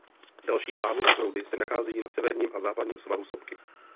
Další lávové proudy se nacházejí na severním a západním svahu sopky.